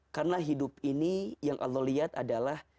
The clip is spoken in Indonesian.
karena hidup ini yang allah lihat adalah